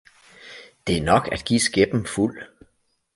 Det er nok at give skæppen fuld